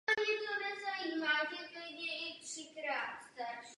Jeho matka byla Ukrajinka a otec Rus.